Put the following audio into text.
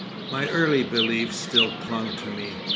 My early beliefs still clung to me.